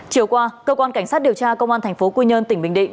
chiều qua cơ quan cảnh sát điều tra công an thành phố quy nhơn tỉnh bình định